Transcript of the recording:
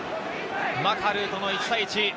マカルーとの１対１。